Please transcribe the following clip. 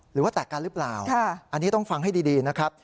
หรือว่าแตกกันหรือเปล่าอันนี้ต้องฟังให้ดีนะครับ